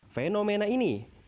fenomena ini ditangkapkan